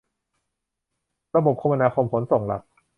ระบบคมนาคมขนส่งหลัก